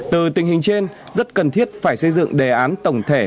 từ tình hình trên rất cần thiết phải xây dựng đề án tổng thể